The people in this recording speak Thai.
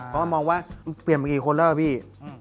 เพราะว่ามองว่าเปลี่ยนมากี่คนแล้วอะพี่